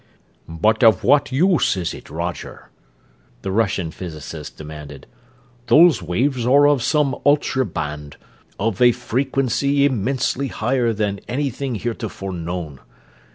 "But of what use is it, Roger?" the Russian physicist demanded. "Those waves are of some ultra band, of a frequency immensely higher than anything heretofore known.